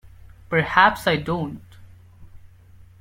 Perhaps I don't.